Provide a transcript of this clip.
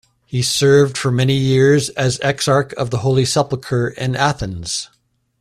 He served for many years as Exarch of the Holy Sepulchre in Athens.